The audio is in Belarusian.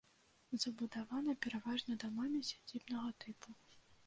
Забудавана пераважна дамамі сядзібнага тыпу.